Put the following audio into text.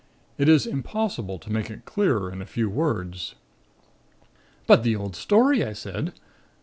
It is impossible to make it clearer in a few words." "But the old story!" I said.